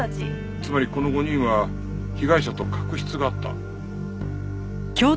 つまりこの５人は被害者と確執があった。